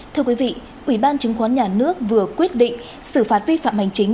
thưa quý vị ủy ban chứng khoán nhà nước vừa quyết định xử phạt vi phạm hành chính